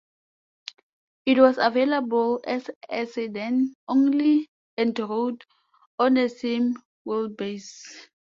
It was available as a sedan only and rode on the same wheelbase.